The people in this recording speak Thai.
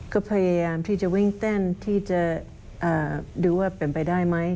ก็พยายามที่จะวิ่งเต้นที่จะดูว่าเป็นไปได้ไหม